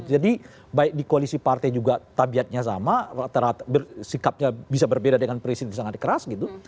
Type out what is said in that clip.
jadi baik di koalisi partai juga tabiatnya sama sikapnya bisa berbeda dengan presiden sangat keras gitu